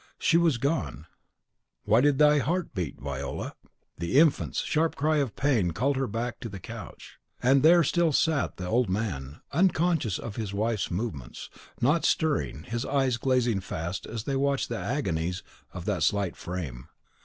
'" She was gone. Why did thy heart beat, Viola? The infant's sharp cry of pain called her back to the couch; and there still sat the old man, unconscious of his wife's movements, not stirring, his eyes glazing fast as they watched the agonies of that slight frame.